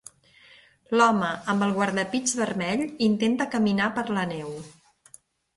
L'home amb el guardapits vermell intenta caminar per la neu.